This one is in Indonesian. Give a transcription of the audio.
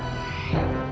itu gak terjadi